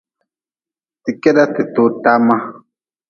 Ti keda ti too tama.